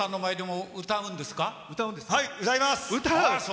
はい、歌います。